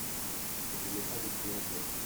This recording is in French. Je n'ai pas de crayon jaune.